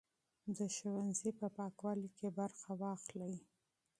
د ښوونځي په پاکوالي کې برخه واخلئ.